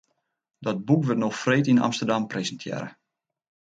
Dat boek wurdt no freed yn Amsterdam presintearre.